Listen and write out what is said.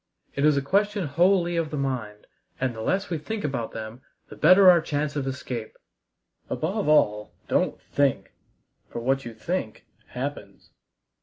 It is a question wholly of the mind, and the less we think about them the better our chance of escape. Above all, don't think, for what you think happens!"